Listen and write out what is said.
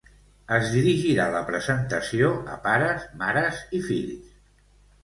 Es dirigirà la presentació a pares, mares i fills.